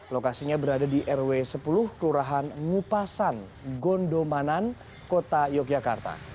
lokasinya berada di rw sepuluh kelurahan ngupasan gondomanan kota yogyakarta